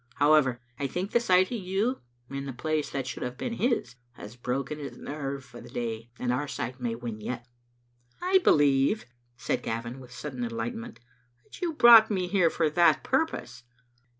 How ever, I think the sight of you, in the place that should have been his, has broken his nerve for this day, and our side may win yet. " "I believe," Gavin said, with sudden enlightenment, "that you brought me here for that purpose."